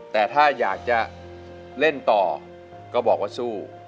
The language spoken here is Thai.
แต่ถ้าอยากจะเล่นต่อก็บอกว่าสู้